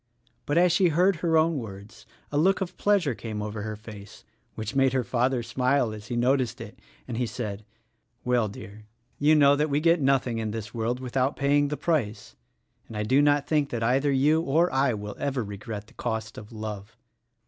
But as she heard her own words a look of pleasure came over her face — which made her father smile as he noticed it — and he said, "Well, dear, you know that we get nothing in this world without paying the price; and I do not think that either you or I will ever regret the cost of love.